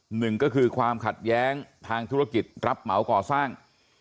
หนึ่งก็คือความขัดแย้งทางธุรกิจรับเหมาก่อสร้าง